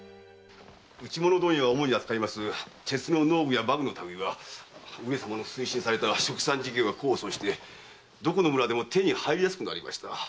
打物問屋が主に扱う鉄の農具や馬具の類いは上様の推進された殖産事業が功を奏してどこの村でも手に入りやすくなりました。